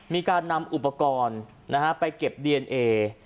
มีการนำอุปกรณ์ไปเก็บดีเอนเอ